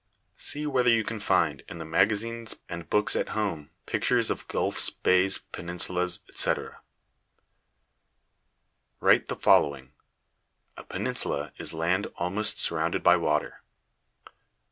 See whether you can find in the magazines and books at home pictures of gulfs, bays, peninsulas, etc. Write the following: A peninsula is land almost surrounded by water.